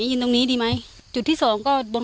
นาเจนยังมีครั้งกัน